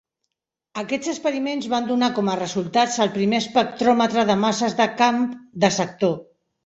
Aquests experiments van donar com a resultats el primer espectròmetre de masses de camp de sector.